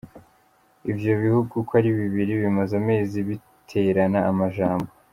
Ivyo bihugu ukwo ari bibiri bimaze amezi biterana amajambo.